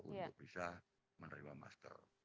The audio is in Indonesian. untuk bisa menerima masker